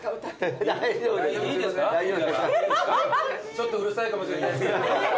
ちょっとうるさいかもしれない。